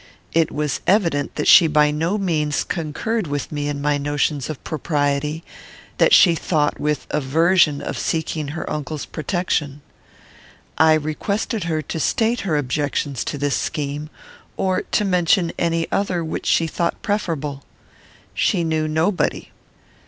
It was evident that she by no means concurred with me in my notions of propriety; that she thought with aversion of seeking her uncle's protection. I requested her to state her objections to this scheme, or to mention any other which she thought preferable. She knew nobody.